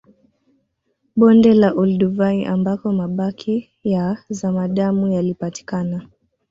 Bonde la Olduvai ambako mabaki ya zamadamu yalipatikana